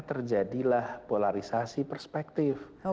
terjadilah polarisasi perspektif